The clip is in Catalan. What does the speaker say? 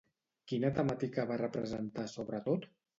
Quina temàtica va representar sobretot?